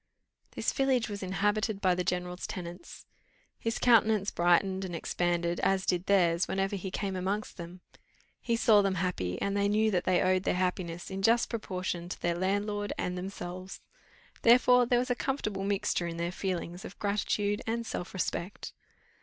This village was inhabited by the general's tenants. His countenance brightened and expanded, as did theirs, whenever he came amongst them; he saw them happy, and they knew that they owed their happiness in just proportion to their landlord and themselves; therefore there was a comfortable mixture in their feelings of gratitude and self respect.